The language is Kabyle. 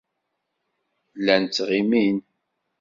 Llan ttɣimin.